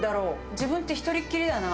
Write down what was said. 自分って１人きりだな。